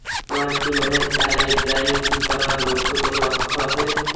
তোমার কি মনে হয় তার এই ড্রয়িং করার মধ্যে কোনো অর্থ আছে।